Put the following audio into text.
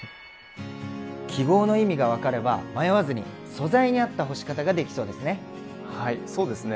記号の意味が分かれば迷わずに素材に合った干し方ができそうですね。